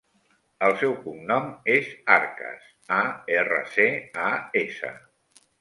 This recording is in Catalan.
El seu cognom és Arcas: a, erra, ce, a, essa.